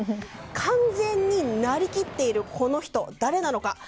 完全になりきっているこの人誰なのか？